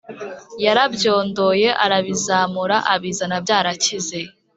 yarabyondoye arabizamura abizana byarakize